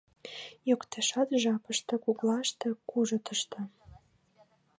Йоктешак — жапыште, гутлаште, кужытышто.